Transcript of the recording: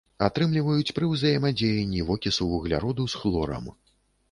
Атрымліваюць пры ўзаемадзеянні вокісу вугляроду з хлорам.